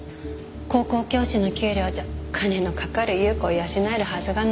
高校教師の給料じゃ金のかかる優子を養えるはずがないですから。